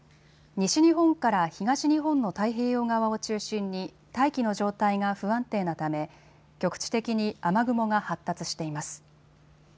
西日本から東日本の太平洋側を中心に大気の状態が不安定なため局地的に雨雲が発達しています。